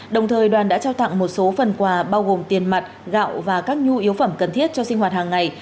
đồng thời đoàn đã trao tặng một số phần quà bao gồm tiền mặt gạo và các nhu yếu phẩm cần thiết cho sinh hoạt hàng ngày